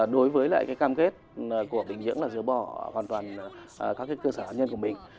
đối với lại cái cam khết của bình nhưỡng là dỡ bỏ hoàn toàn các cái cơ sở hạt nhân của bình